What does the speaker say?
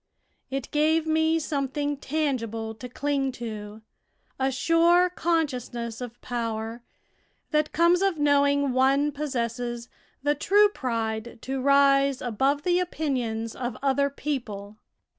It gave me something tangible to cling to a sure consciousness of power, that comes of knowing one possesses the true pride to rise above the opinions of other people.